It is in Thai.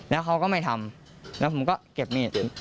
แล้วเขาก็ไม่ทำแล้วผมก็เก็บมีด